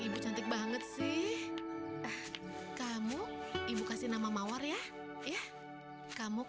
kita cari tempat tinggal yuk